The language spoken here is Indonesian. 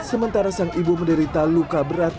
sementara sang ibu menderita luka berat